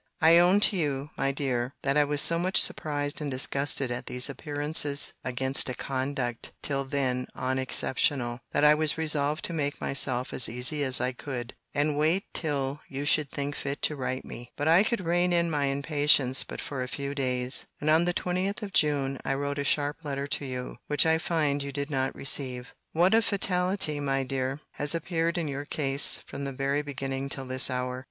I own to you, my dear, that I was so much surprised and disgusted at these appearances against a conduct till then unexceptionable, that I was resolved to make myself as easy as I could, and wait till you should think fit to write to me. But I could rein in my impatience but for a few days; and on the 20th of June I wrote a sharp letter to you; which I find you did not receive. What a fatality, my dear, has appeared in your case, from the very beginning till this hour!